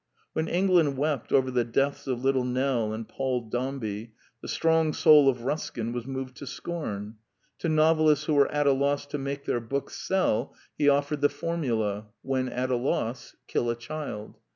When England wept over the deaths of little Nell and Paul Dombey, the strong soul of Ruskin was moved to scorn: to novelists who were at a loss to make their books sell he offered The Technical Novelty 229 the formula: When at a loss, kill a child.